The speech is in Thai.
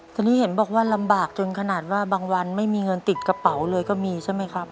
ตอนนี้เห็นบอกว่าลำบากจนขนาดว่าบางวันไม่มีเงินติดกระเป๋าเลยก็มีใช่ไหมครับ